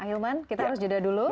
ahilman kita harus jeda dulu